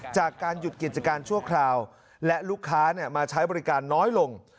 จากการหยุดกิจการชั่วคราวและลูกค้ามาใช้บริการน้อยลง